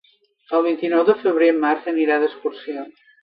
El vint-i-nou de febrer en Marc anirà d'excursió.